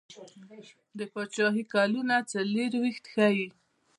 د پاچهي کلونه څلیرویشت ښيي.